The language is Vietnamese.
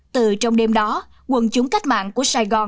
từ trong đêm đó quân chúng cách mạng của sài gòn